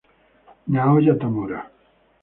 Naoya Tamura